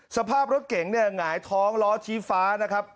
สภาพรถเก๋งเนี่ยหงายท้องล้อชี้ฟ้านะครับ